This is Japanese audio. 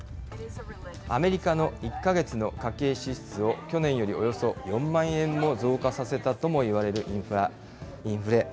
アメリカの１か月の家計支出を去年よりおよそ４万円も増加させたともいわれるインフレ。